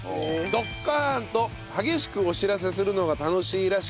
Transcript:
どっかーん！と激しくお知らせするのが楽しいらしく。